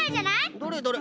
どれどれ。